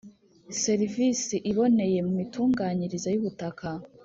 Serivisi iboneye mu mitunganyirize y’ ubutaka